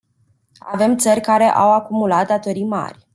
Avem țări care au acumulat datorii mari.